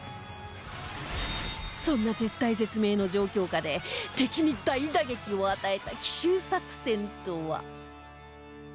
そんな絶体絶命の状況下で敵に大打撃を与えた奇襲作戦とは？